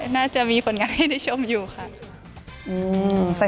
น่าจะมีคนอย่างนั้นให้ด้วยชมอยู่ค่ะ